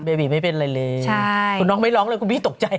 บีไม่เป็นอะไรเลยคุณน้องไม่ร้องเลยคุณบี้ตกใจ